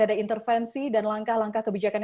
ada intervensi dan langkah langkah kebijakan